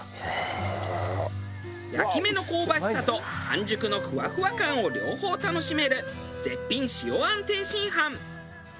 焼き目の香ばしさと半熟のふわふわ感を両方楽しめる絶品塩餡天津飯。